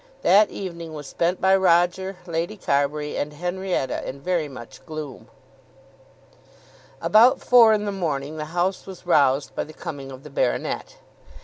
That evening was spent by Roger, Lady Carbury, and Henrietta, in very much gloom. About four in the morning the house was roused by the coming of the baronet.